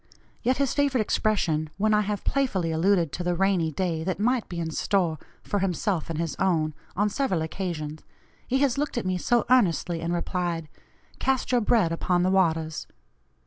Yet his favorite expression, when I have playfully alluded to the 'rainy day' that might be in store for himself and his own on several occasions, he has looked at me so earnestly and replied, 'Cast your bread upon the waters.'